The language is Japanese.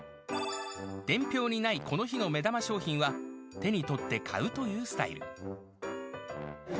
伝票にないこの日の目玉商品は、手に取って買うというスタイル。